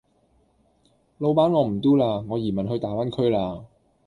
老闆我唔 Do 啦，我移民去大灣區啦